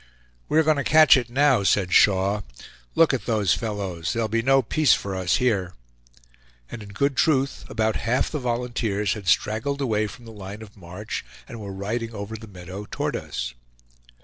"We are going to catch it now," said Shaw; "look at those fellows, there'll be no peace for us here." And in good truth about half the volunteers had straggled away from the line of march, and were riding over the meadow toward us.